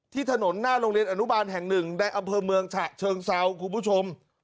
ถนนหน้าโรงเรียนอนุบาลแห่งหนึ่งในอำเภอเมืองฉะเชิงเซาคุณผู้ชม